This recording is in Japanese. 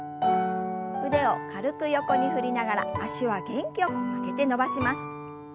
腕を軽く横に振りながら脚は元気よく曲げて伸ばします。